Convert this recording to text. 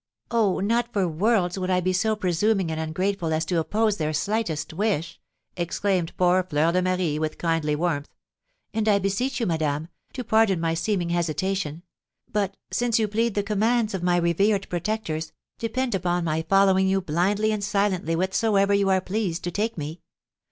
"Oh, not for worlds would I be so presuming and ungrateful as to oppose their slightest wish!" exclaimed poor Fleur de Marie, with kindling warmth, "and I beseech you, madame, to pardon my seeming hesitation; but, since you plead the commands of my revered protectors, depend upon my following you blindly and silently whithersoever you are pleased to take me.